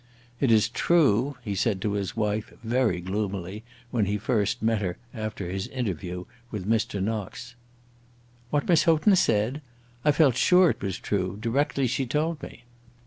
"It is true," he said to his wife very gloomily, when he first met her after his interview with Mr. Knox. "What Miss Houghton said? I felt sure it was true, directly she told me."